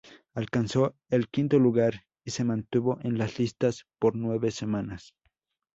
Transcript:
Alcanzó el quinto lugar y se mantuvo en las listas por nueve semanas.